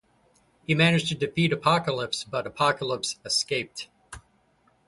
He managed to defeat Apocalypse, but Apocalypse escaped.